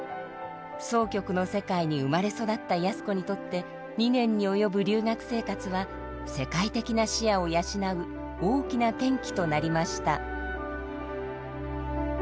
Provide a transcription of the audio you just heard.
箏曲の世界に生まれ育った靖子にとって２年に及ぶ留学生活は世界的な視野を養う大きな転機となりました。